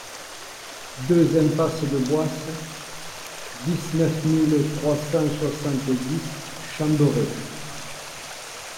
deux impasse de Boisse, dix-neuf mille trois cent soixante-dix Chamberet